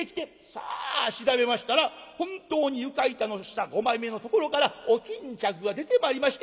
さあ調べましたら本当に床板の下５枚目のところからお巾着が出てまいりまして。